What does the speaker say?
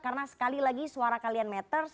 karena sekali lagi suara kalian matters